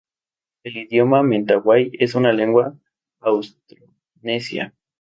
El idioma mentawai es una lengua austronesia.